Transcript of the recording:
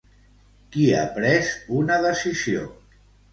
Qui ha pres una decisió?